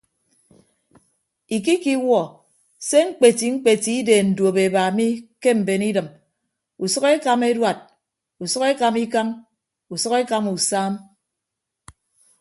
Ikikiwuọ se mkpeti mkpeti ideen duopeba mi ke mben idịm usʌk ekama eduad usʌk ekama ikañ usʌk ekama usam.